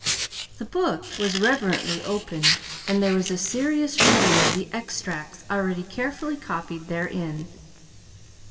The book was reverently opened, and there was a serious reading of the extracts already carefully copied therein.